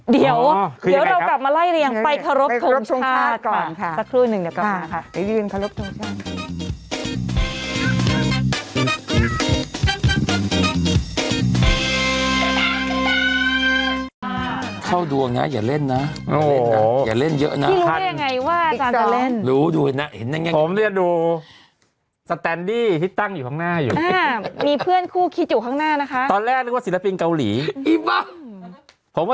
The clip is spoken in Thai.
เดี๋ยวเรากลับมาไล่เรียงไปเคารพของช่วงชาติก่อนค่ะ